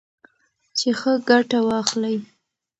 چې ښه ګټه واخلئ.